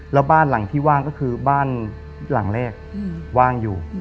แล้วบ้านหลังที่ว่างก็คือบ้านหลังแรกว่างอยู่